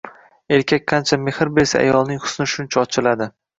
Erkak qancha mehr bersa, ayolning husni shuncha ochiladi.